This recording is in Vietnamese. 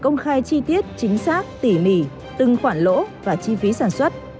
công khai chi tiết chính xác tỉ mỉ từng khoản lỗ và chi phí sản xuất